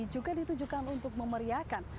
juga ditujukan untuk memeriahkan